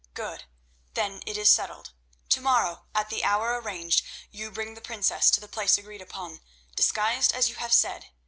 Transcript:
"Good; then it is settled. To morrow, at the hour arranged, you bring the princess to the place agreed upon, disguised as you have said.